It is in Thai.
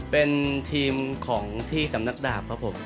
เป็นทีมของที่สำนักดาบครับผม